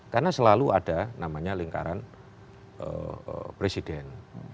karena selalu ada namanya lingkaran presiden